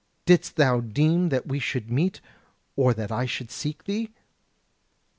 Didst thou deem that we should meet, or that I should seek thee?"